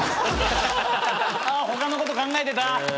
他のこと考えてた。